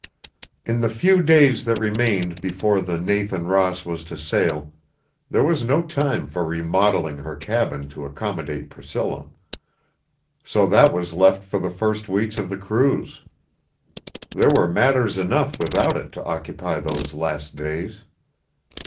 IV In the few days that remained before the Nathan Ross was to sail, there was no time for remodeling her cabin to accommodate Priscilla; so that was left for the first weeks of the cruise. There were matters enough, without it, to occupy those last days.